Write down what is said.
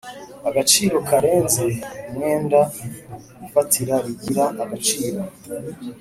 agaciro karenze umwenda ifatira rigira agaciro